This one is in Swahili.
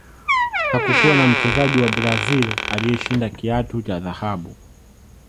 hakukuwa na mchezaji wa brazil aliyeshinda kiatu cha dhahabu